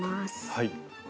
はい。